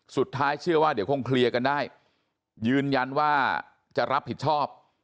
เชื่อว่าเดี๋ยวคงเคลียร์กันได้ยืนยันว่าจะรับผิดชอบ